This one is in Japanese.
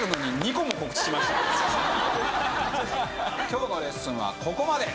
今日のレッスンはここまで。